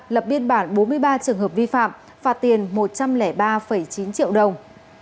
lập biên bản bốn mươi ba trường hợp vi phạm phạt tiền một trăm linh ba chín triệu đồng